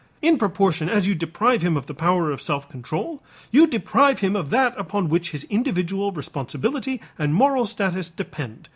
In proportion as you deprive him of the power of self control, you deprive him of that upon which his individual responsibility and moral status depend.